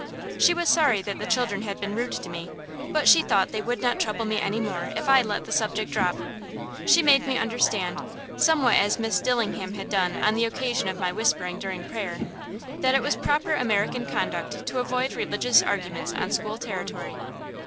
She was sorry that the children had been rude to me, but she thought they would not trouble me any more if I let the subject drop. She made me understand, somewhat as Miss Dillingham had done on the occasion of my whispering during prayer, that it was proper American conduct to avoid religious arguments on school territory.